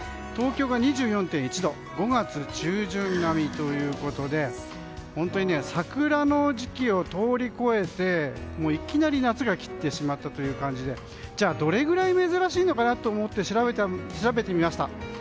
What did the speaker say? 東京が２４．１度５月中旬並みということで本当に桜の時期を通り超えていきなり夏が来てしまったという感じでじゃあどれぐらい珍しいのかなと思って調べてみました。